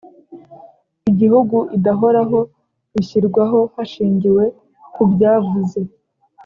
Igihugu idahoraho bishyirwaho hashingiwe kubyavuze